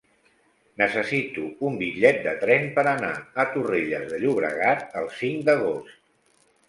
Necessito un bitllet de tren per anar a Torrelles de Llobregat el cinc d'agost.